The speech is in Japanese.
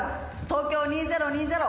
東京２０２０